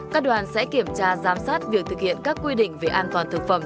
các đoàn sẽ kiểm tra giám sát việc thực hiện các quy định về an toàn thực phẩm